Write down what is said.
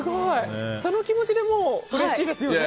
その気持ちでもううれしいですよね。